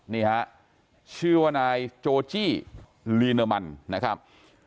นี่ฮะชื่อว่านายโจจี้ลีเนอร์มันนะครับ